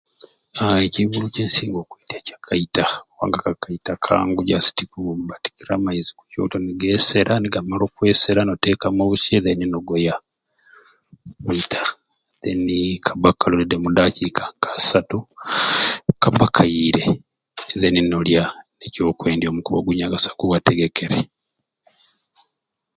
Aaa ekintu kyensinga okwendya okulya kaita kubanga ko akaita kangu just kubatikira maizi ku kyoto nigesera nigamala okwesera notekamu obusei alai nogoya then kaba kali ready mu dakiika nka asatu kaba kayiire then nolya ekyo omukubi ogunyakasi gwoba wategekere